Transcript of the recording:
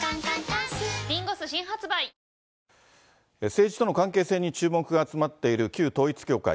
政治との関係性に注目が集まっている旧統一教会。